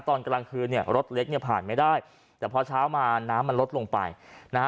ตอนกลางคืนเนี่ยรถเล็กเนี่ยผ่านไม่ได้แต่พอเช้ามาน้ำมันลดลงไปนะฮะ